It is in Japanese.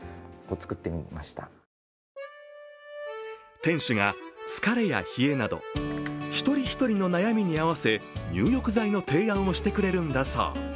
店主が疲れや冷えなど、一人一人の悩みに合わせ入浴剤の提案をしてくれるんだそう。